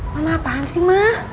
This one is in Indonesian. mama apaan sih ma